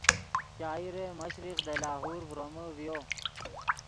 شاعر مشرق دے لاہور ڤرومے ڤیو